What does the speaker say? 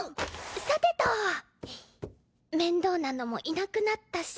さてと面倒なのもいなくなったし。